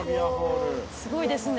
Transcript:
すごいですね